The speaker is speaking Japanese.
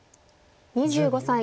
２５歳。